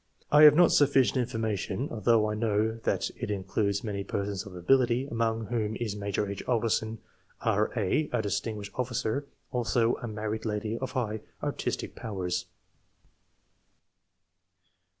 — I have not sufficient infor mation, although I know that it includes many persons of ability, among whom is Major H. 1.] ANTECEDENTS. 43 Alderson, R.A., a distinguished ofl&cer ; also a married lady of high artistic powers.